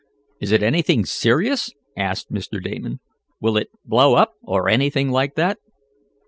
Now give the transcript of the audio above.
Is it anything serious?" asked Mr. Damon. "Will it blow up, or anything like that?"